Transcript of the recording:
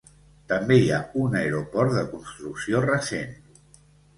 També hi ha un aeroport de construcció recent.